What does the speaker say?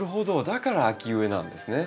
だから秋植えなんですね。